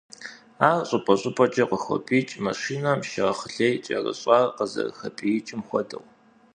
Ар щӏыпӏэ-щӏыпӏэкӏэ «къыхопӏиикӏ», машинэм шэрхъ лей кӏэрыщӏар къызэрытепӏиикӏым хуэдэу.